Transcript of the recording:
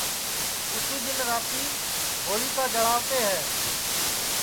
اُسی دؔن رات ہوݪیکا جݪاوتے ہے